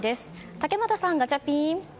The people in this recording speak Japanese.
竹俣さん、ガチャピン！